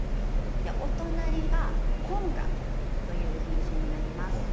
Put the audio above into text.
お隣がコンガという品種になります。